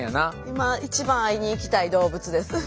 今一番会いに行きたい動物です。